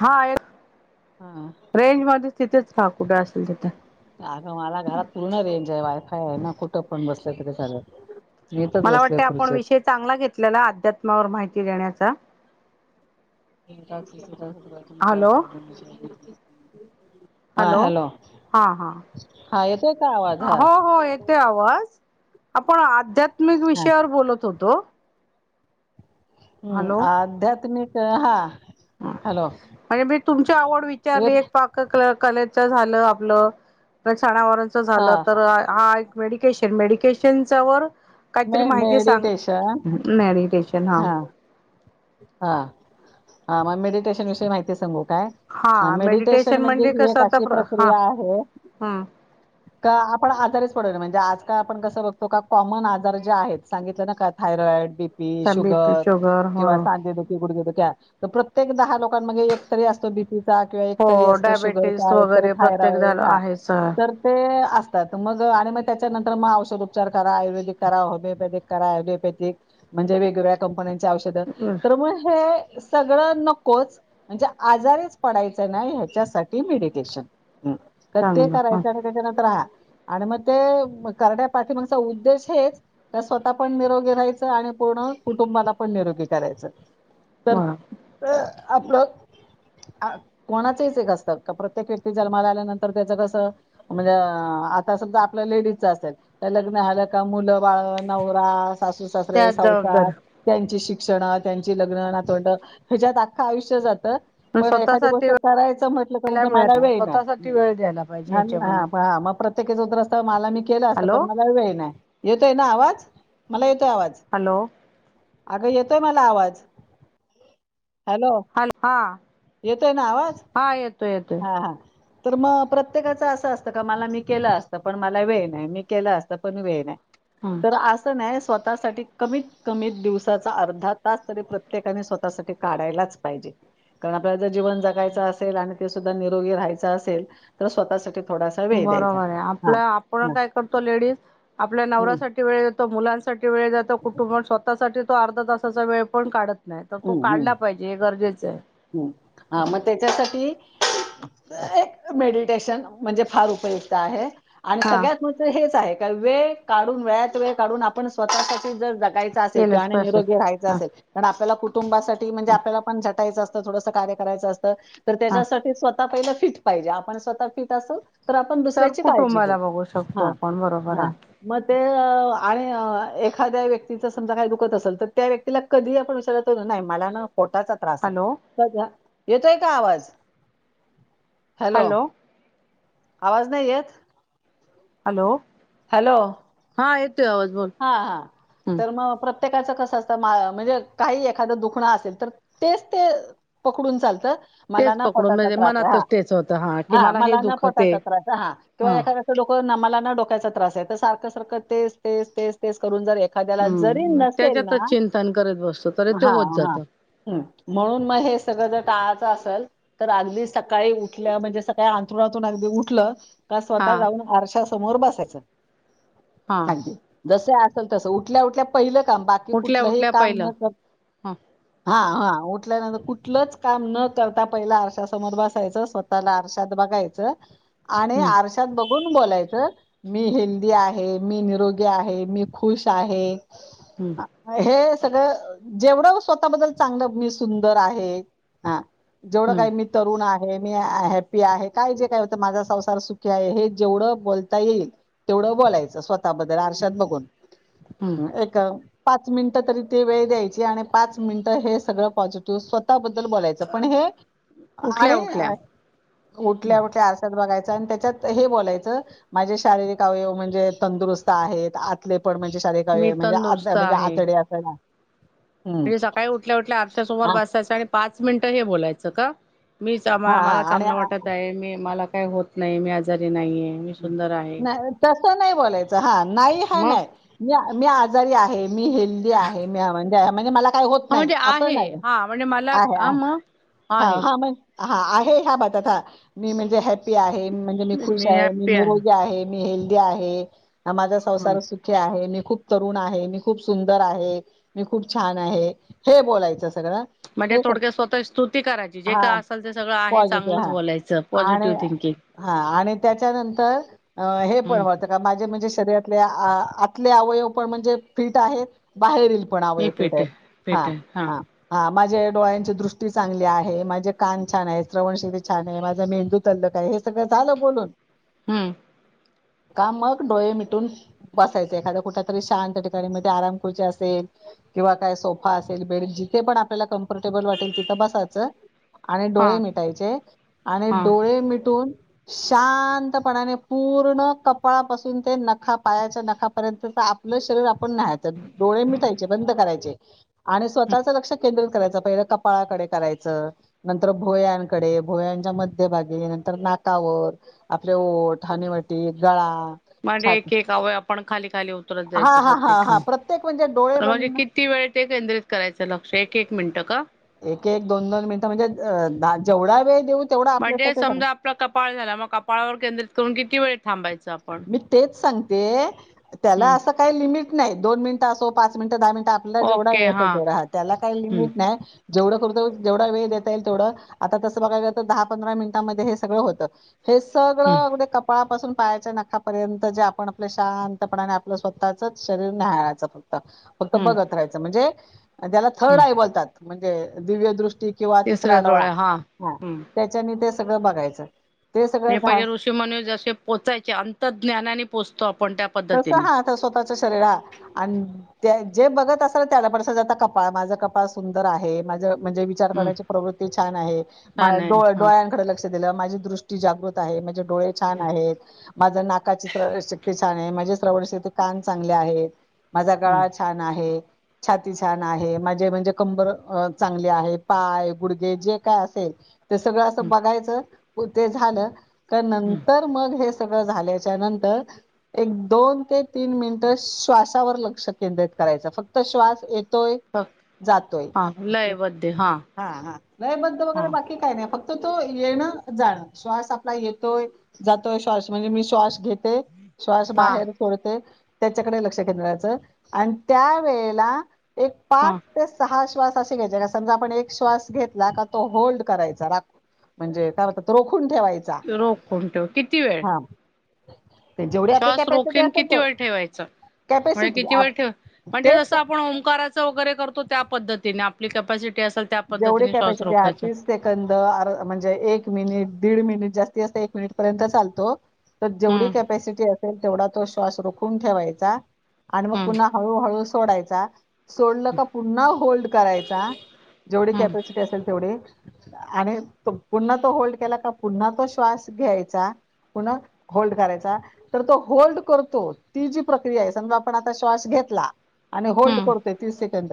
हाय, हा ट्रेन मध्ये तिथेच थांब कुठे असशील तिथं. अगं मला घरात पूर्ण रेंज आहे वायफाय आहे ना कुठं पण बसलं तरी चालेल. मी इथच मला बसले वाटतेय आपण खुर्चीत. विषय चांगला घेतलेला अध्यात्मावर माहिती देण्याचा हॅलो [unintelligible] हॅलो, हां हां, हा येतोय का आवाज हा हो हो, ये तोय आवाज आपण आध्यात्मिक हा विषयावर बोलत होतो. हम्, हॅलो आध्यात्मिक हां. हा म्हणजे बाई तुमची आवड विचारले येत एक पाक, क कलेच झालं आपलं तर सणावाराच हा झालं तर हां एक, मेडिकेशन, मेडिकेशनच्या वर मे काहीतरी माहिती सांग, मेडिटेशन मेडिटेशन हां. हां, हां मग मेडिटेशन विषयी माहिती सांगू काय? हां मेडिटेशन म्हणजे ही कसं एक आता अशी प्र हां प्रक्रिया आहे हम्म. का आपण आजारीच पडत नाही म्हणजे आजकाल आपण कसं बघतो का कॉमन आजार जे आहेत सांगितलं ना का thyroid B? P, BP sugar हो किंवा सांधे दुखी, गुडघे दुखी, तर प्रत्येक दहा लोकांन मध्ये एक तरी असतो बी पी, चा किंवा एक तरी हो असतो डायबेटीस शुगरचा एकतरी वगैरे प्रत्येक थायरॉईड झालं चा आहे सर तर, ते असतात मग आणि मग त्याच्यानंतर मग औषधोपचार करा आयुर्वेदिक करा होमिओपॅथिक करा होमिओपॅथिक म्हणजे वेगवेगळ्या कंपन्यांच्या औषध तर मगं हे सगळं नकोच, म्हणजे आजारीच पडायच नाही ह्याच्यासाठी मेडिटेशन हम्म तर ते चांगलं ह करायचं? तेच्या नंतर हां आणि मग ते करण्या पाठीमागचा उद्देश हेचं, त्या स्वतः पण निरोगी राहायचं आणि पूर्ण कुटुंबाला पण निरोगी, करायचं तर बर त आपलं, अं कोणाचेच एक असतात का प्रत्येक व्यक्ती जन्माला आल्यानंतर त्याच कसं? म्हणजे आता सुद्धा आपल्या लेडीजच असतात. लग्न आलं का मुलं बाळ नवरा सासू सासरे त्याच संसार जबाबदार त्यांच्याशी, क्षणा त्यांची लग्न नातवंड हेच्यात आख्खं आयुष्य जात. पण एखादी स्वतःसाठी गोष्ट करायचं म्हटलं तर वेळला ते मिळत मला नाही. वेळ नाय स्वतःसाठी वेळ द्यायला पाहिजे नाय ह्याच्यामध्ये नाय, मग प्रत्येक शक्यतो असतं मला मी केलं असतं हॅलो पण मला वेळ नाही येतोय ना आवाज मला येतोय आवाज. हॅलो अगं येतोय मला आवाज. हॅलो, हॅलो हा येतोय ना आवाज हा येतोय येतोय हां हां तर मग प्रत्येकाच असं असतं का मला मी केलं असतं पण मला वेळ नाही मी केलं असतं पण वेळ नाही. हां. तर असं नाही स्वतःसाठी कमीत कमीत दिवसाचा अर्ध तास तरी प्रत्येकानी स्वतःसाठी काढायलाच पाहिजे कारण आपल्याला जर जीवन जगायचं असेल आणि ते सुधा निरोगी राहायचं असेल तर स्वतः साठी बरोबर आहे आपलं आपण काय करतो लेडीज आपल्या हम्म नवऱ्यासाठी वेळ जातो मुलांसाठी वेळ जातो कुटुंब स्वतः स्वतः साठी तो अर्धा तासाचा वेळ पण काढत नाही तर तो हम्म काढला पाहिजे हे गरजेचं आहे. हम्म हां मग तेच्यासाठी मेडिटेशन म्हणजे फार उपयुक्त आहे. हा सगळ्यात म्हणजे हेच आहे का वेळ काढून वेळत वेळ काढून स्वतः साठी जर जगता राहायचं असेल किं केलंच आणि पाहिजे निरोगी राहायचं हा असे कारण आपल्याला कुटुंबासाठी म्हणजे आपल्याला पण झटायचं थोडस कार्य करायचं असतं तर हा त्याच्यासाठी स्वतः पहिलं फिट पाहिजे आपण स्वतः फिट असतो. तर आपण तर दुसऱ्याची काळजी घेऊ कुटुंबाला बघू शकतो हा आपण बरोबर हा. आहे. मग ते आणि एखाद्या व्यक्तीचा समजा काही दुखतं असेल तर त्या व्यक्तीला कधी आपण विचार नाही मला पोटाचा त्रास हॅलो आहे येतोय का आवाज? हॅलो आवाज नाही येत? हॅलो हॅलो हा येतोय आवाज बोल हा हा हम्म तर मग प्रत्येकाचं कसं असतं म्हणजे काही एखादं दुखणं असेल तर तेच ते पकडून चालत. मला तेच ना पकडून पोटाचा म्हणजे त्रास आहे मनातच हा तेच होतं कि हा हे मला ना दुखते पोटाचा त्रास आहे हा किंवा एखाद्या डोक मला ना डोक्याचा त्रास आहे तर सारखं सारखं तेच तेच तेच तेच करून जर एखाद्याला जरी हम्म नसेल त्याच्यातच ना चिंतन करत बसतो तरी ते हा होत हा जात हा म्हणून मग हे सगळं जर टाळायचं असेल. तर अगदी सकाळी उठल्या म्हणजे सकाळी अंतरणातून अगदी उठलं का हा स्वतः जाऊन आरश्या समोर बसायचं. हा जसं असलं तसं उठल्या उठल्या पहिलं काम बाकी कुठलंही काम न करता हा हा हा उठल्यानंतर कुठलंच न पहिला आरशासमोर बसायचं स्वतः स्वतःला आरशात बघायचं. आणि हम्म आरशात बघून बोलायचं मी हेल्दी आहे मी निरोगी आहे मी खुश आहे. हम्म हे सगळं जेवढं स्वतःबद्दल चांगलं मी सुंदर आहे हा. जेवढं हम्म काही मी तरुण आहे मी हॅप्पी आहे काय जे काय होतं माझा संसार सुखी आहे हे जेवढं बोलता येईल. तेवढं बोलायचं स्वतःबद्दल आरशात बघून. हम्म पाच मिनिटं तरी ती वेळ द्यायची आणि पाच मिनिटं हे सगळ पॉझि त स्वतःबद्दल बोलायचं, पण हे उठल्या आणि उठल्या उठल्या-उठल्या असं बघायचं आणि त्याच्यात हे बोलायच, माझे शारीरिक अवयव म्हणजे तंदुस्त आहेत आतले पण, म्हणजे शाररिक मी अवयव तंदुरुस्त म्हणजे-म्हणजे आहे आतडे असं ना? म्हणजे सकाळी उठल्या-उठल्या आरश्या समोर बसायचं आणि पाच मिनिटं हे बोलायचं का? मीच हा हा. मला आणि चांगलं आ- वाटत आहे. मी मला काही होत नाही. मी आजारी नाही आहे. नाही, तसं नाही बोलायचं, हा, नाही-हा मग नाही, मी-मी आजारी आहे. मी हेल्दी आहे, मी आनंदी आहे, म्हणजे मला काय होत हा नाही? म्हणजे नाही, असं आहे नाही हा म्हणजे मला ह आहे-आहे, मग आहे. हा-हा, मग. हा आहे, ह्या बातात हा. मी म्हणजे हॅप्पी आहे, म्हणजे मी खुश मी निरोगी आहे, मी हेल्दी आहे, हा माझा संसार सुखी आहे, मी खूप तरुण आहे, मी खूप सुंदर आहे. मी खूप छान आहे, हे बोलायचं सगळं. म्हणजे, हे सग थोडक्यात स्वतःची स्तुती करायची, जे हां, काय असाल, ते सगळं आहे पॉझिटिव्ह चांगलंच हां. बोलायचं, आणि पॉझिटिव्ह थिंकिंगं. हा, आणि त्याच्यानंतर हे पण हम्म होत. माझे म्हणजे शरीरातले आतले अवयव पण म्हणजे फिट आहेत, बाहेरील पण मी अवयव फिट आहेत, आहे फिट आहे हा हा-हा. हा, माझ्या डोळ्यांची दृष्टी चांगली आहे, माझे कान छान आहे, श्रवणशैली छान आहे, माझा मेंदू तल्लक आहे, हे सगळं झालं बोलून हम्म. का? मग डोळे मिटून बसायचे एखादं कुठतरी शांत ठिकाणी, मग ती आराम खुर्ची असेल किंवा काय, सोफा असेल, बेड जिथे पण आपल्याला कम्फर्टेबल वाटेल, तिथं बसायचं. आणि डोळे हा मिटायचे, आणि हा डोळे मिटून शातं शांतपणाने, पूर्ण कपाळापासून ते नखा पायाच्या नखापर्यंतच आपलं शरीर आपण न्याहाळायचं. डोळे मिटायचे, बंद करायचे आणि स्वतःच लक्ष केंद्रित करायचं, पहिलं कपाळाकडे करायचं. नंतर भोयांकडे, भोयांच्या मध्यभागी, नंतर नाकावर. आपले ओठ, हानीवाटी, गळा म्हणजे, एक-एक वयव आपण खाली- खाली होतो. हा-हा, हा-हा. प्रत्येक म्हणजे डोळे म्हणजे, बंद किती वेळ ते केंद्रित करायचं लक्ष? एक-एक मिनिटं का? एक-एक, दोन-दोन मिनिटं, म्हणजे जेवढा वेळ देऊ तेवढा म्हणजे, आपल्यासाठी चांगला. समजा आपला कपाळ झाला, मग कपाळावर केंद्रित करून किती वेळ थांबायचं आपण? मी तेच सांगते त्याला, हम्म असं काही लिमिट नाही. दोन मिनिटं असो, पाच मिनिटं, दहा मिनिटं त्याला जेवढा वेळ असेल, तेवढा. हा, त्याला काही हम्म लिमिट नाही. जेवढं करतो, जेवढा वेळ देता येईल तेवढं. आता तसं बघाय तर दहा-पंधरा मिनिटांमध्ये हे सगळं होतं. हे हम्म सगळं अगदी कपाळापासून पायाच्या नखापर्यंत जे आपण आपलं शांतपणाने आपलं स्वतःच शरीर न्याहाळायचं, फक्त. फक्त हम्म बघत राहायच म्हणजे त्याला थर्ड हम्म आय बोलतात, म्हणजे दिव्य दृष्टी. किंवा तिसऱ्या तिसरा डोळा डोळ्या हा, हम्म त्याच्यानी ते सगळं बघायचं. ते सगळं म्हणजे, झा पहिले ऋषी मुनी जसे पोचायचे. अंतर्ज्ञानाने पोहचतो आपण त्या तसं पद्धतीने हा, आता स्वतःच्या शरीर हं, आणि त्या जे बघत असाल, त्याला पण स आता कपाळ, माझं कपाळ सुंदर आहे माझं, म्हणजे विचार हम्म करण्याची प्रवृती छान आहे. छान आहे हा डोळ्यांकडे लक्ष दिलं, माझी दृष्टी जागृत आहे, म्हणजे डोळे छान हम्म आहेत माझं, तर नाकाची शक्ती छान आहे माझे श्रवणशक्ती कान चांगले आहेत. माझा हम्म गळा छान आहे. छाती छान आहे, माझे म्हणजे कंबर चांगली आहे पाय, गुडगे जे काय असेल. ते सगळ अस हम्म बघायच ते झाल का हम्म नंतर मग हे सगळ झाल्याच्या नंतर एक दोन ते तीन मिनिट श्वासावर लक्ष केंद्रित करायच, फक्त श्वास येतोय. ह जातोय, हा लयबद्ध हा हा लयबंद हा वगैरे बाकी काय नाही फक्त तर तो येण जाण श्वास आपला येतोय जातोय श्वास म्हणजे मी श्वास घेते. श्वास हा बाहेर सोडते त्याच्याकड लक्ष केंद करायच आणि त्यावेेळेला एक पाच हा ते सहा श्वास असे घ्यायचे का समजा आपण एक श्वास घेतला का तो होल्ड करायचा राखून. म्हणजे काय बोलतात रोखून ठेवायचा. रोखून ठेवू किती वेळ? हां, ते जेवढी आपली श्वास कॅपॅसिटी रोखून असेल किती तेव वेळ ठेवायचा? मग हे कॅपॅसिटी किती वेळ आप ठेवू म्हणजे जस तेच आपण ओंकार राच करतो त्या पद्धतीने आपली कप्यासिटी असल. जेवढी कॅपॅसिटी आतिस. सेकंद म्हणजे एक मिनिट, दीड मिनिट, जास्तीत जास्त एक मिनिट पर्यंत चालतो तर जेवढी हम्म कप्यासिटी असेल तेवढा तो श्वास रोखून ठेवायचा आणि मग हम्म पुन्हा हळूहळू सोडायचा सोडल का पुन्हा होल्ड करायचा. जेवढी हम्म कॅपॅसिटी असेल तेवढी. आणि पुन्हा तो होल्ड केला की पुन्हा तो श्वास घ्यायचा. पुन्हा होल्ड करायचा. तर तो होल्ड करतो ती जी प्रक्रिया आहे, समजा आपण आता श्वास घेतला. आणि होल्ड हम्म करतोय तीस सेकंद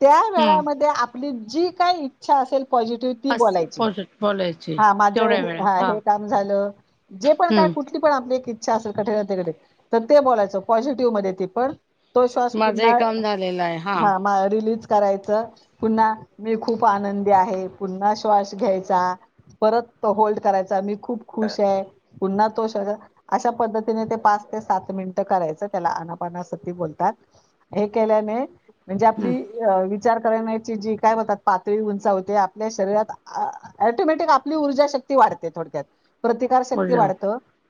त्या हम्म वेळामध्य आपल्या आपली जी काही इच्छा असेल पॉझिटिव्ह ती अस बोलायची पोचट बोलायची हां माझ तेवढ्या वेळात हा हे काम झाल, जे पण काय हम्म कुठ पण आपली एक इच्छा असेल कठीणातली कठीण तर ते बोलायच पॉझिटिव्ह मध्ये ते पण. तो श्वास माझं हे पुन्हा काम झालेलं आहे हा हां हम्म मग रिलीज करायच. पुन्हा मी खूप आनंदी आहे. पुन्हा श्वास घ्यायचा. परत तो होल्ड करायचा, मी खूप खुश आहे, पुन्हा तो अशा पद्धतीने ते पाच ते सात मिनिट करायच त्याला अनापाणा अस [unintelligible] बोलतात. हे केल्याने म्हणजे आपली विचार करण्याची जी काय बोलतात पातळी उंचावते आपल्या शरीरात ॲटोमॅटिक आपली ऊर्जाशक्ती वाढते, थोडक्यात प्रतिकारशक्ती बोल वाढत‌.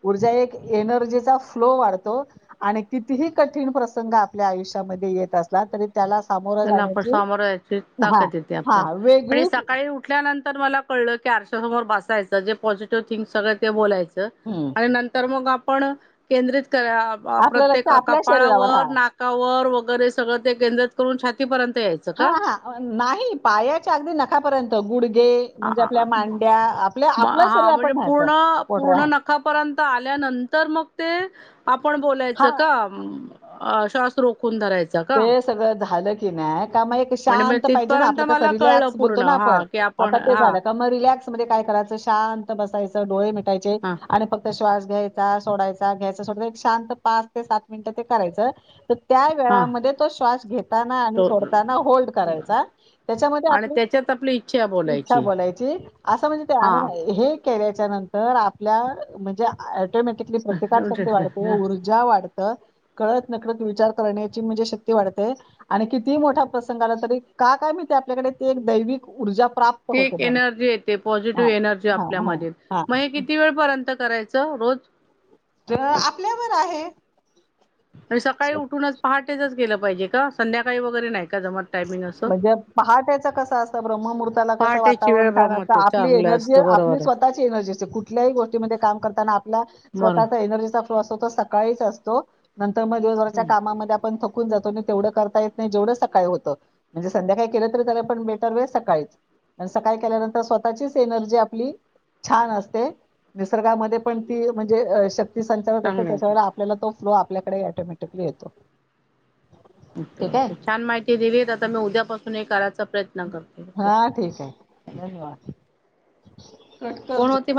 ऊर्जा एक एनर्जीचा फ्लो वाढतो. आणि कितीही कठीण प्रसंग आपल्या आयुष्यामध्ये येत असला तरी त्याला सामोर त्यांला आपण सामोर जायची ताकद येते हा आपल्याला पण हे वेगळीच सकाळी उठ उठल्यानंतर मला कळल की आरशासमोर बसायच जे पॉझिटिव्ह थिंक सगळ ते बोलायच. हम्म नंतर मग आपण केंद्रित करा आपलं लक्ष प्रत्येक आपल्या शरीरावर कपाळावर, हा नाका कावर वगैरे सगळ ते केंद्रित करून छातीपर्यंत यायच. हा हा नाही पायाच्या अगदी नखापर्यंत, गुडघे म्हणजे आपल्या मांड्या. आपल्या आपलं हा शरीर म्हणजे आपण न्याहायचं पूर्ण पोटऱ्या पूर्ण नखापर्यंत आल्यानंतर मग ते आपण बोलायच हा का श्वास रोखून धरायचा. का? ते सगळं झालं की नाही का मग, म्हणजे म शांत पाहिजे ना तिथपर्यंत आपल कस मला कळलं रिलॅक्स पूर्ण बोलतो ना आपण हा की आता ते हा झाल का काय करायच शांत बसायचं डोळे मिटायचे हा आणि फक्त श्वास घ्यायचा सोडायचा घ्यायचा सोडाय एक शांत पाच ते सात मिनिटं ते करायचं तर त्या हा वेळामध्ये तो श्वास घेताना आणि तो सोडताना होल्ड करायचा त्याच्यामध्ये आणि आपली त्याच्यात आपली इच्छा भाऊ. इच्छा बोलायची असं म्हणजे ते आणि हे केल्याच्या नंतर आपल्या म्हणजे ॲटोमॅटिकली प्रतिकार शक्ती वाढते. ज्या वाढत कळत नकळत विचार करण्याची म्हणजे शक्ती वाढते. आणि किती मोठा प्रसंग आला तरी का काय मी ते आपल्याकडे ते एक दैविक ऊर्जा प्राप्त ते होते एक ब्रह्म एनर्जी येते हां, पॉझिटिव्ह एनर्जी हां, हां, आपल्यामध्ये हां. मग हे किती वेळ. पर्यंत करायचं रोज तर आपल्यावर आहे. आणि सकाळी उठूनच पहाटेच गेलं पाहिजे का? संध्याकाळी वगैरे नाही का जमत टायमिंग असं. म्हणजे पहाटेच कसं असतं ब्रम्हर्हूर्ताला कसं पहाटेची वेळ वातावरण छान असतं ब्रमते आपली चांगलं असतं एनर्जी बरोबर आहे. स्वतःची एनर्जी अस कुठल्याही गोष्टीमध्ये काम करताना आपला बर स्वतःचा एनर्जीचा तो असतो तो सकाळीच असतो, नंतर मग दिवसभराच्या कामामध्ये आपण थक थकुन जातो तेवढं करता येत नाही जेवढं सकाळी होतं म्हणजे संध्याकाळी केलं तरी त्या पण बेटर व सकाळीच सकाळी केल्यानंतर स्वतःचीच एनर्जी आपली. छान असते निसर्गामध्ये पण ती म्हणजे श ती संचारत असते चांगलं त्याच्या होतं व आपल्याला तो फ्लो आपल्याकडे ऑटोमॅटिकली येतो. ओके ठीक आहे ओके, छान माहिती दिलीत आता मी उद्यापासूनही करायचा प्रयत्न करते. ओके हा ठीक आहे. धन्यवाद कट कोण करतू होते